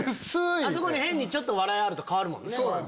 あそこに変にちょっと笑いあると変わるもんね。